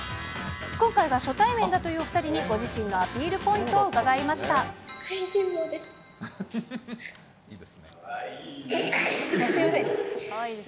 今回が初対面だという２人にご自身のアピールポイントを伺いました。